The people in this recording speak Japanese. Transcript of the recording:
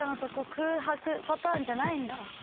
空白パターンじゃないんだ。